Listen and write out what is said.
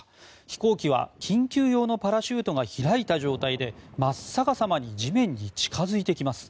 飛行機は緊急用のパラシュートが開いた状態で真っ逆さまに地面に近づいてきます。